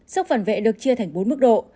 sốc phản vệ được chia thành bốn mức độ